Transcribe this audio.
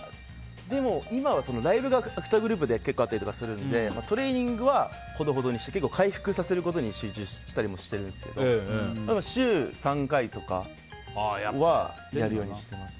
今はライブが２グループで結構あったりするのでトレーニングはほどほどにして回復させることに集中したりもしてるんですけど週３回とかはやるようにしてます。